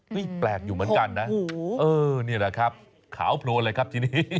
แปลกอยู่เหมือนกันนะนี่แหละครับขาวโพลนเลยครับทีนี้